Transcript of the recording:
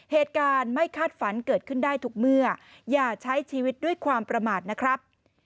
เหตุการณ์ไม่คาดฝันเกิดขึ้นได้ทุกเมื่ออย่าใช้ชีวิตด้วยความประมาทนะครับ